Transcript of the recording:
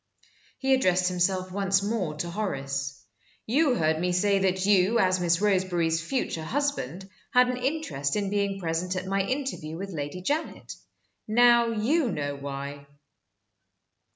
He addressed himself once more to Horace. "You heard me say that you, as Miss Roseberry's future husband, had an interest in being present at my interview with Lady Janet. Now you know why."